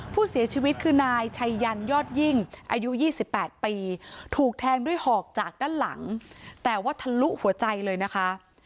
ผู้เสียชีวิตคือนายชัยยันยอดยิ่งอายุ๒๘ปีถูกแทงด้วยหอกจากด้านหลังแต่ว่าทะลุหัวใจเลยนะคะ